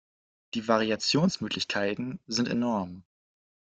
Die Variationsmöglichkeiten sind enorm.